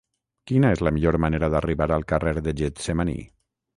Quina és la millor manera d'arribar al carrer de Getsemaní?